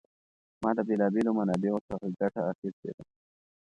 ما د بېلا بېلو منابعو څخه ګټه اخیستې ده.